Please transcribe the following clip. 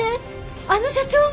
あの社長が！？